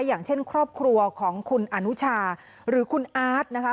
อย่างเช่นครอบครัวของคุณอนุชาหรือคุณอาร์ตนะคะ